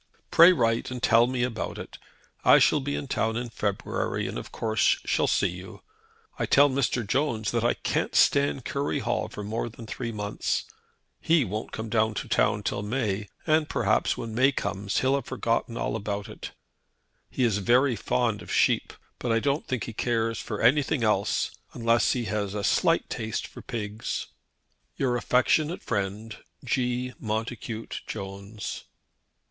"Pray write and tell me all about it. I shall be in town in February, and of course shall see you. I tell Mr. Jones that I can't stand Curry Hall for more than three months. He won't come to town till May, and perhaps when May comes he'll have forgotten all about it. He is very fond of sheep, but I don't think he cares for anything else, unless he has a slight taste for pigs. "Your affectionate friend, "G. MONTACUTE JONES."